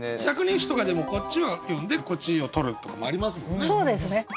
「百人一首」とかでもこっちは読んでこっちを取るとかもありますもんね。